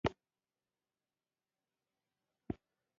سترګې د انسان د درون هنداره ده